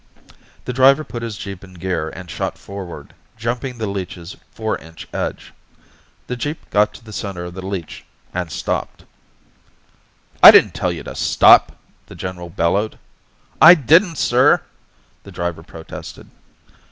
The driver put his jeep in gear and shot forward, jumping the leech's four inch edge. The jeep got to the center of the leech and stopped. "I didn't tell you to stop!" the general bellowed. "I didn't, sir!" the driver protested.